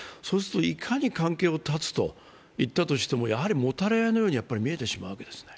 いかに関係を断つと言ったとしても、もたれ合いのように見えてしまうわけです。